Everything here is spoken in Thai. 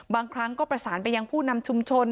บางครั้งก็ประสานไปยังผู้นำชุมชน